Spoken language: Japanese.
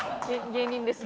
芸人です。